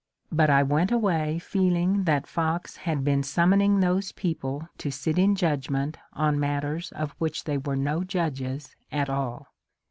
But I went away feeling that Fox had been summoning those people to sit in judgment on matters of which they were no judges at all."